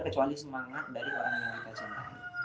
kecuali semangat dari orang yang mereka cintai